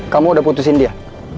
kamu udah putusin dia